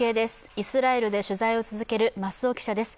イスラエルで取材を続ける増尾記者です。